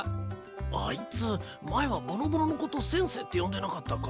あいつ前はぼのぼののことセンセって呼んでなかったか？